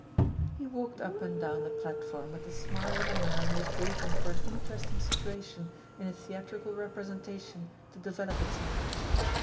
He walked up and down the platform with the smile of a man who is waiting for an interesting situation in a theatrical representation to develop itself.